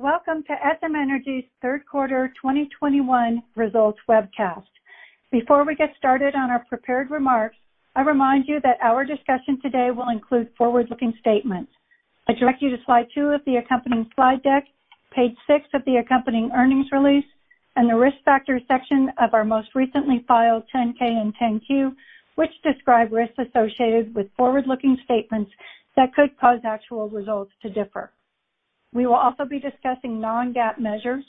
Welcome to SM Energy's Q3 2021 results webcast. Before we get started on our prepared remarks, I remind you that our discussion today will include forward-looking statements. I direct you to slide 2 of the accompanying slide deck, page 6 of the accompanying earnings release, and the Risk Factors section of our most recently filed 10-K and 10-Q, which describe risks associated with forward-looking statements that could cause actual results to differ. We will also be discussing non-GAAP measures.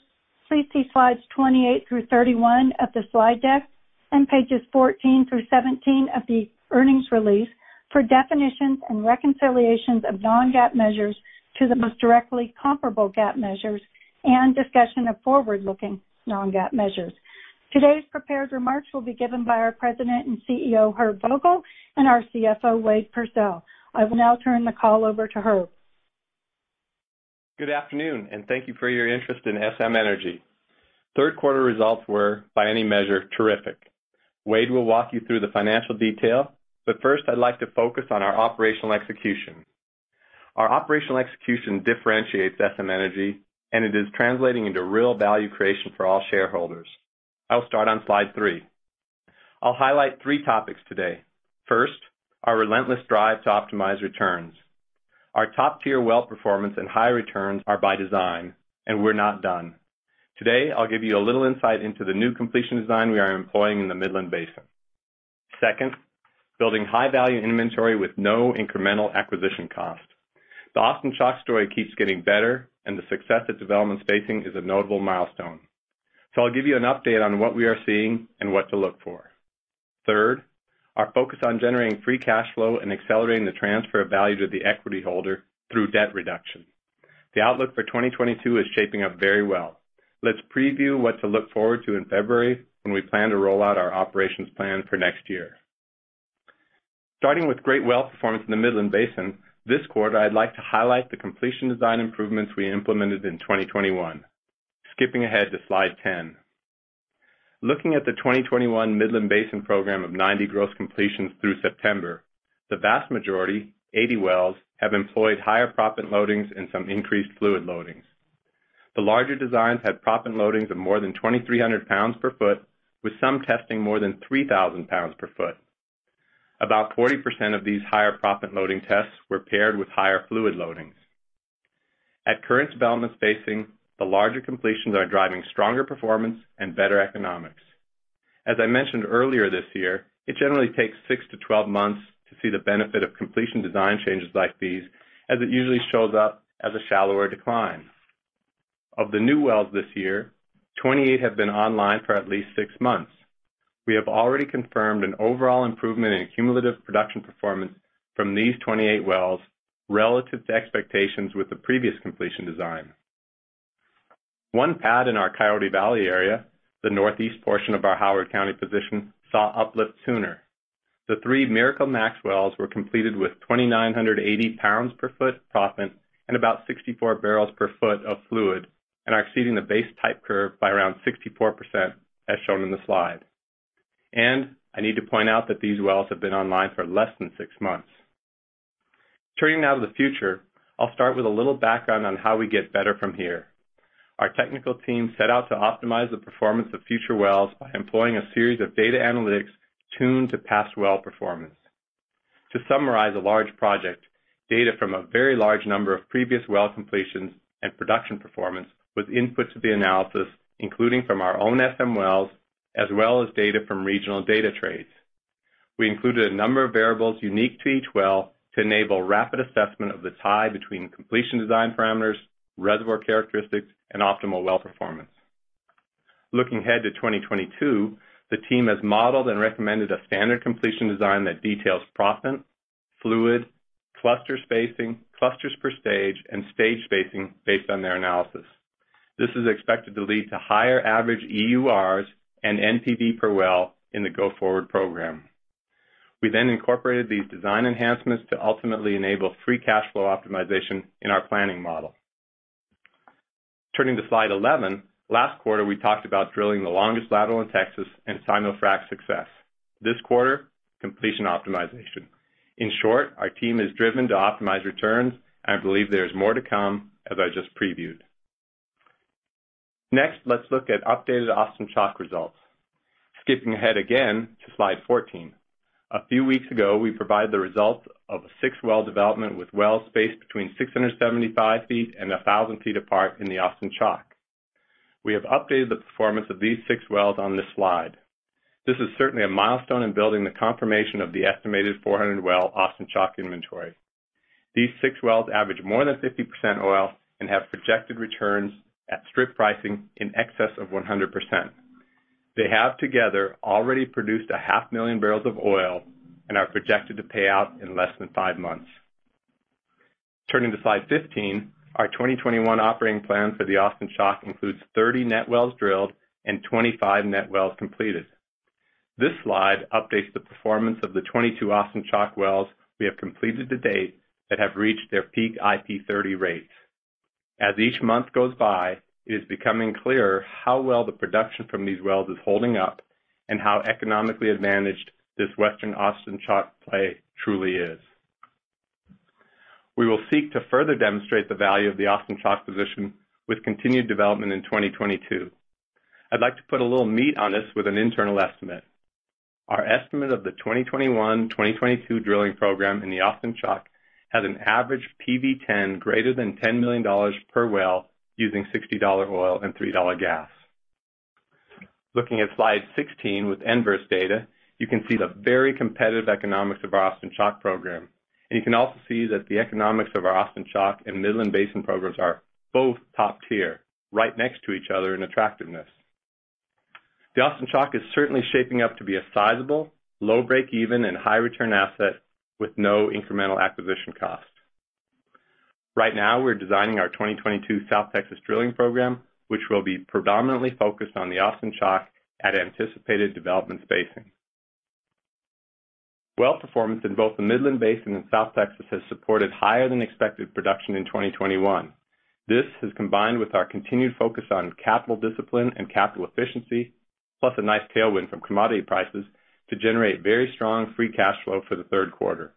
Please see slides 28-31 of the slide deck and pages 14-17 of the earnings release for definitions and reconciliations of non-GAAP measures to the most directly comparable GAAP measures and discussion of forward-looking non-GAAP measures. Today's prepared remarks will be given by our President and CEO, Herb Vogel, and our CFO, Wade Pursell. I will now turn the call over to Herb. Good afternoon, and thank you for your interest in SM Energy. Q3 results were, by any measure, terrific. Wade will walk you through the financial detail, but first, I'd like to focus on our operational execution. Our operational execution differentiates SM Energy, and it is translating into real value creation for all shareholders. I'll start on slide three. I'll highlight three topics today. First, our relentless drive to optimize returns. Our top-tier well performance and high returns are by design, and we're not done. Today, I'll give you a little insight into the new completion design we are employing in the Midland Basin. Second, building high-value inventory with no incremental acquisition cost. The Austin Chalk story keeps getting better, and the success of development spacing is a notable milestone. I'll give you an update on what we are seeing and what to look for. Third, our focus on generating free cash flow and accelerating the transfer of value to the equityholder through debt reduction. The outlook for 2022 is shaping up very well. Let's preview what to look forward to in February when we plan to roll out our operations plan for next year. Starting with great well performance in the Midland Basin, this quarter I'd like to highlight the completion design improvements we implemented in 2021. Skipping ahead to slide 10. Looking at the 2021 Midland Basin program of 90 gross completions through September, the vast majority, 80 wells, have employed higher proppant loadings and some increased fluid loadings. The larger designs had proppant loadings of more than 2,300 pounds per foot, with some testing more than 3,000 pounds per foot. About 40% of these higher proppant loading tests were paired with higher fluid loadings. At current development spacing, the larger completions are driving stronger performance and better economics. As I mentioned earlier this year, it generally takes 6-12 months to see the benefit of completion design changes like these, as it usually shows up as a shallower decline. Of the new wells this year, 28 have been online for at least six months. We have already confirmed an overall improvement in cumulative production performance from these 28 wells relative to expectations with the previous completion design. One pad in our Coyote Valley area, the northeast portion of our Howard County position, saw uplift sooner. The three Miracle Max wells were completed with 2,980 pounds per foot proppant and about 64 barrels per foot of fluid, and are exceeding the base type curve by around 64%, as shown in the slide. I need to point out that these wells have been online for less than six months. Turning now to the future, I'll start with a little background on how we get better from here. Our technical team set out to optimize the performance of future wells by employing a series of data analytics tuned to past well performance. To summarize a large project, data from a very large number of previous well completions and production performance was input to the analysis, including from our own SM wells as well as data from regional data trades. We included a number of variables unique to each well to enable rapid assessment of the tie between completion design parameters, reservoir characteristics, and optimal well performance. Looking ahead to 2022, the team has modeled and recommended a standard completion design that details proppant, fluid, cluster spacing, clusters per stage, and stage spacing based on their analysis. This is expected to lead to higher average EURs and NPV per well in the go-forward program. We then incorporated these design enhancements to ultimately enable free cash flow optimization in our planning model. Turning to slide 11, last quarter, we talked about drilling the longest lateral in Texas and simulfrac success. This quarter, completion optimization. In short, our team is driven to optimize returns. I believe there is more to come, as I just previewed. Next, let's look at updated Austin Chalk results. Skipping ahead again to slide 14. A few weeks ago, we provided the results of a six-well development with wells spaced between 675 feet and 1,000 feet apart in the Austin Chalk. We have updated the performance of these six wells on this slide. This is certainly a milestone in building the confirmation of the estimated 400-well Austin Chalk inventory. These six wells average more than 50% oil and have projected returns at strip pricing in excess of 100%. They have together already produced 500,000 barrels of oil and are projected to pay out in less than 5 months. Turning to slide 15, our 2021 operating plan for the Austin Chalk includes 30 net wells drilled and 25 net wells completed. This slide updates the performance of the 22 Austin Chalk wells we have completed to date that have reached their peak IP30 rate. As each month goes by, it is becoming clearer how well the production from these wells is holding up and how economically advantaged this Western Austin Chalk play truly is. We will seek to further demonstrate the value of the Austin Chalk position with continued development in 2022. I'd like to put a little meat on this with an internal estimate. Our estimate of the 2021/2022 drilling program in the Austin Chalk has an average PV10 greater than $10 million per well using $60 oil and $3 gas. Looking at slide 16 with Enverus data, you can see the very competitive economics of our Austin Chalk program. You can also see that the economics of our Austin Chalk and Midland Basin programs are both top-tier, right next to each other in attractiveness. The Austin Chalk is certainly shaping up to be a sizable, low break-even, and high return asset with no incremental acquisition cost. Right now, we're designing our 2022 South Texas drilling program, which will be predominantly focused on the Austin Chalk at anticipated development spacing. Well performance in both the Midland Basin and South Texas has supported higher than expected production in 2021. This has combined with our continued focus on capital discipline and capital efficiency, plus a nice tailwind from commodity prices to generate very strong free cash flow for the Q3.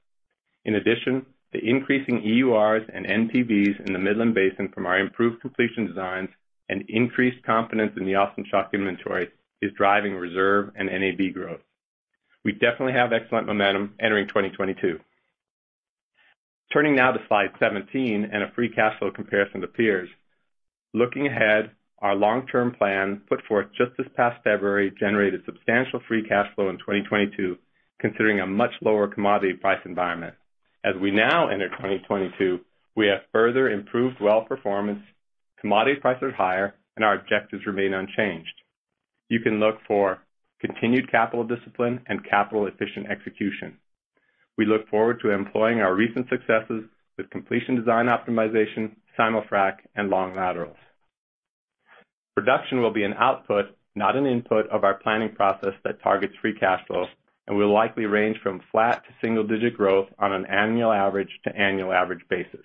In addition, the increasing EURs and NPVs in the Midland Basin from our improved completion designs and increased confidence in the Austin Chalk inventory is driving reserve and NAV growth. We definitely have excellent momentum entering 2022. Turning now to slide 17 and a free cash flow comparison to peers. Looking ahead, our long-term plan, put forth just this past February, generated substantial free cash flow in 2022, considering a much lower commodity price environment. As we now enter 2022, we have further improved well performance, commodity prices are higher, and our objectives remain unchanged. You can look for continued capital discipline and capital efficient execution. We look forward to employing our recent successes with completion design optimization, simulfrac, and long laterals. Production will be an output, not an input, of our planning process that targets free cash flow and will likely range from flat to single-digit growth on an annual average to annual average basis.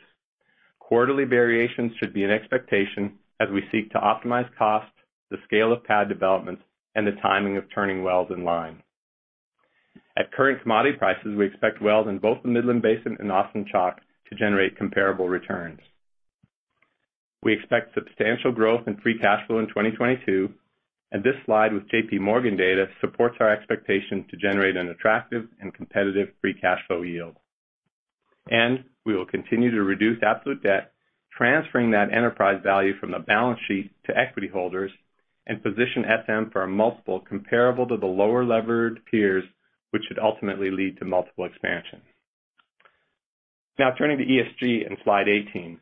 Quarterly variations should be an expectation as we seek to optimize costs, the scale of pad development, and the timing of turning wells in line. At current commodity prices, we expect wells in both the Midland Basin and Austin Chalk to generate comparable returns. We expect substantial growth in free cash flow in 2022, and this slide with JP Morgan data supports our expectation to generate an attractive and competitive free cash flow yield. We will continue to reduce absolute debt, transferring that enterprise value from the balance sheet to equity holders and position SM for a multiple comparable to the lower levered peers, which should ultimately lead to multiple expansion. Now turning to ESG in slide 18.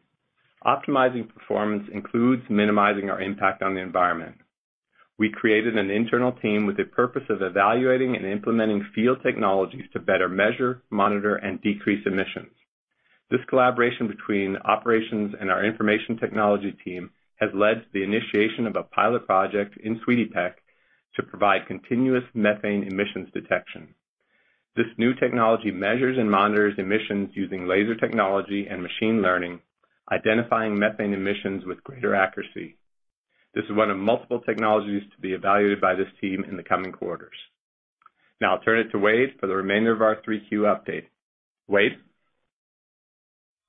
Optimizing performance includes minimizing our impact on the environment. We created an internal team with the purpose of evaluating and implementing field technologies to better measure, monitor, and decrease emissions. This collaboration between operations and our information technology team has led to the initiation of a pilot project in Sweetie Peck to provide continuous methane emissions detection. This new technology measures and monitors emissions using laser technology and machine learning, identifying methane emissions with greater accuracy. This is one of multiple technologies to be evaluated by this team in the coming quarters. Now I'll turn it to Wade for the remainder of our Q3 update. Wade?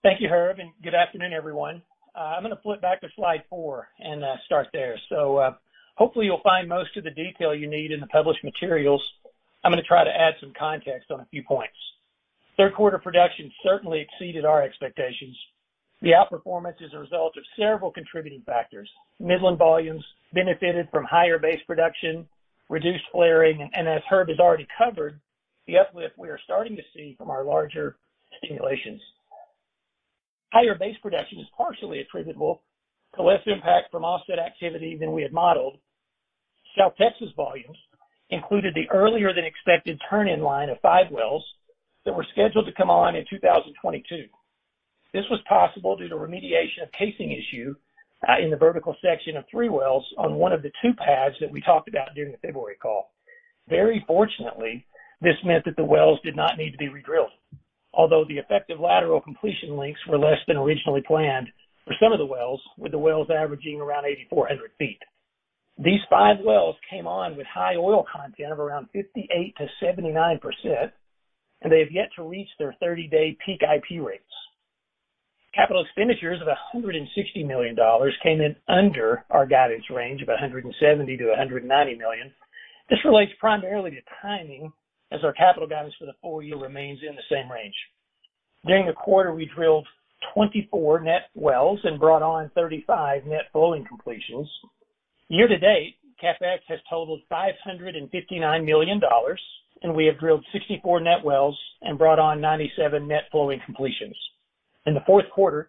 Thank you, Herb, and good afternoon, everyone. I'm gonna flip back to slide four and start there. Hopefully you'll find most of the detail you need in the published materials. I'm gonna try to add some context on a few points. Q3 production certainly exceeded our expectations. The outperformance is a result of several contributing factors. Midland volumes benefited from higher base production, reduced flaring, and as Herb has already covered, the uplift we are starting to see from our larger stimulations. Higher base production is partially attributable to less impact from offset activity than we had modeled. South Texas volumes included the earlier than expected turn in line of five wells that were scheduled to come online in 2022. This was possible due to remediation of casing issue in the vertical section of three wells on one of the two pads that we talked about during the February call. Very fortunately, this meant that the wells did not need to be redrilled, although the effective lateral completion lengths were less than originally planned for some of the wells, with the wells averaging around 8,400 feet. These five wells came on with high oil content of around 58%-79%, and they have yet to reach their 30-day peak IP rates. Capital expenditures of $160 million came in under our guidance range of $170 million-$190 million. This relates primarily to timing as our capital guidance for the full year remains in the same range. During the quarter, we drilled 24 net wells and brought on 35 net flowing completions. Year-to-date, CapEx has totaled $559 million, and we have drilled 64 net wells and brought on 97 net flowing completions. In the Q4,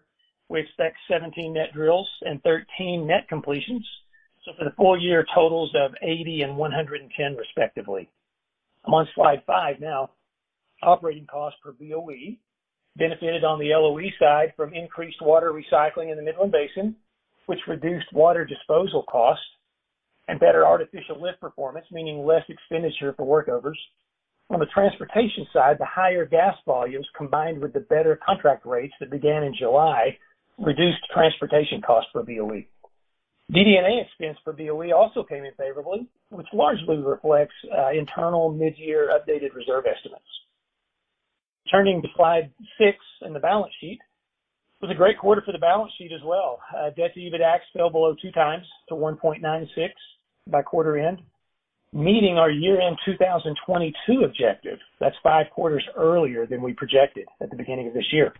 we expect 17 net drilled and 13 net completions. For the full year totals of 80 and 110 respectively. I'm on slide five now. Operating costs per BOE benefited on the LOE side from increased water recycling in the Midland Basin, which reduced water disposal costs. Better artificial lift performance, meaning less expenditure for workovers. On the transportation side, the higher gas volumes, combined with the better contract rates that began in July, reduced transportation costs per BOE. DD&A expense per BOE also came in favorably, which largely reflects internal mid-year updated reserve estimates. Turning to slide six in the balance sheet. It was a great quarter for the balance sheet as well. Debt-to-EBITDA fell below 2x to 1.96 by quarter end, meeting our year-end 2022 objective. That's five quarters earlier than we projected at the beginning of this year.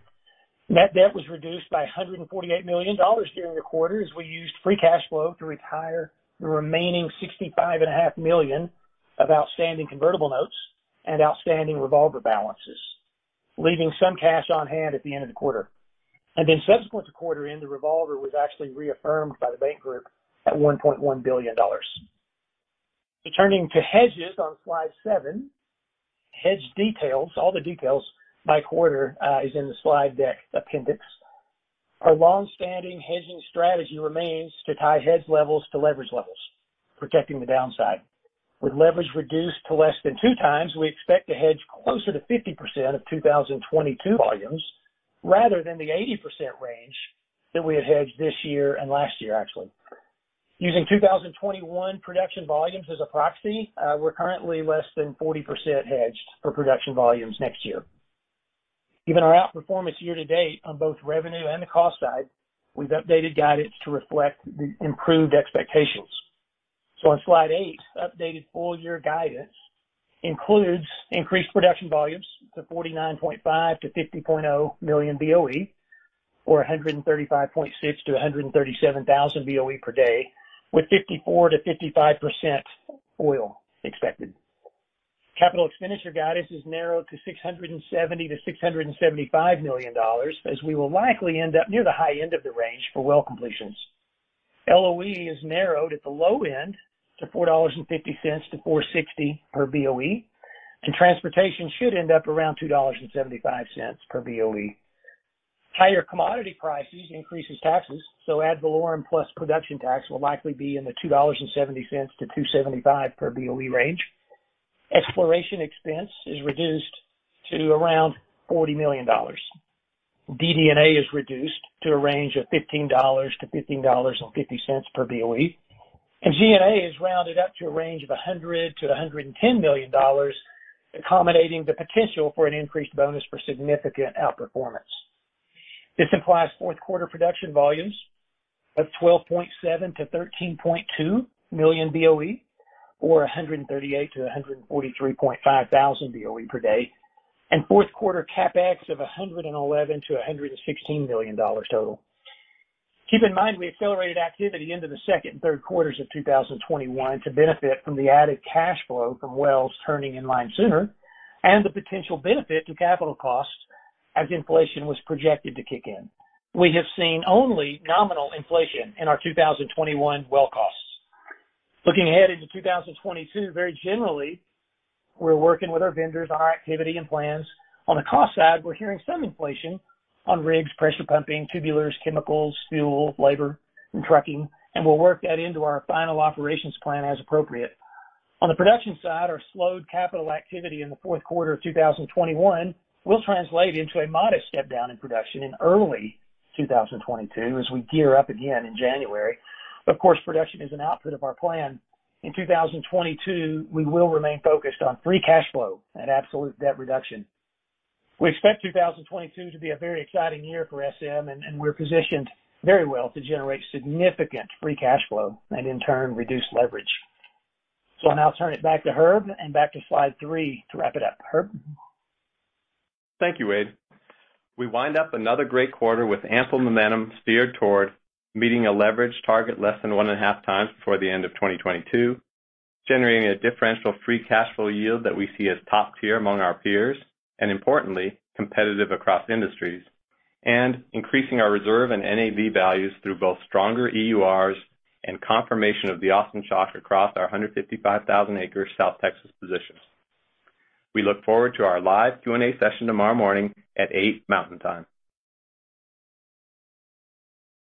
Net debt was reduced by $148 million during the quarter, as we used free cash flow to retire the remaining $65.5 million Of outstanding convertible notes and outstanding revolver balances, leaving some cash on hand at the end of the quarter. Subsequent to quarter end, the revolver was actually reaffirmed by the bank group at $1.1 billion. Turning to hedges on slide seven. Hedge details, all the details by quarter, is in the slide deck appendix. Our long-standing hedging strategy remains to tie hedge levels to leverage levels, protecting the downside. With leverage reduced to less than two times, we expect to hedge closer to 50% of 2022 volumes rather than the 80% range that we had hedged this year and last year actually. Using 2021 production volumes as a proxy, we're currently less than 40% hedged for production volumes next year. Given our outperformance year to date on both revenue and the cost side, we've updated guidance to reflect the improved expectations. On slide eight, updated full year guidance includes increased production volumes to 49.5-50 million BOE, or 135.6-137 thousand BOE per day, with 54%-55% oil expected. Capital expenditure guidance is narrowed to $670 million-$675 million, as we will likely end up near the high end of the range for well completions. LOE is narrowed at the low end to $4.50-$4.60 per BOE, and transportation should end up around $2.75 per BOE. Higher commodity prices increases taxes, so ad valorem plus production tax will likely be in the $2.70-$2.75 per BOE range. Exploration expense is reduced to around $40 million. DD&A is reduced to a range of $15-$15.50 per BOE. G&A is rounded up to a range of $100 million-$110 million, accommodating the potential for an increased bonus for significant outperformance. This implies Q4 production volumes of 12.7-13.2 million BOE, or 138-143.5 thousand BOE per day, and Q4 CapEx of $111-$116 million total. Keep in mind, we accelerated activity into the Q2 and Q3 of 2021 to benefit from the added cash flow from wells turning in line sooner and the potential benefit to capital costs as inflation was projected to kick in. We have seen only nominal inflation in our 2021 well costs. Looking ahead into 2022, very generally, we're working with our vendors on our activity and plans. On the cost side, we're hearing some inflation on rigs, pressure pumping, tubulars, chemicals, fuel, labor, and trucking, and we'll work that into our final operations plan as appropriate. On the production side, our slowed capital activity in the Q4 of 2021 will translate into a modest step down in production in early 2022 as we gear up again in January. Of course, production is an output of our plan. In 2022, we will remain focused on free cash flow and absolute debt reduction. We expect 2022 to be a very exciting year for SM, and we're positioned very well to generate significant free cash flow and, in turn, reduce leverage. I'll now turn it back to Herb and back to slide three to wrap it up. Herb? Thank you, Wade. We wind up another great quarter with ample momentum steered toward meeting a leverage target less than 1.5x before the end of 2022, generating a differential free cash flow yield that we see as top tier among our peers, and importantly, competitive across industries, and increasing our reserve and NAV values through both stronger EURs and confirmation of the Austin Chalk across our 155,000-acre South Texas positions. We look forward to our live Q&A session tomorrow morning at 8:00 A.M. Mountain Time.